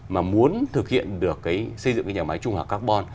mà muốn thực hiện được xây dựng nhà máy trung hòa carbon